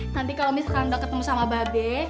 nanti kalau misalnya udah ketemu sama babe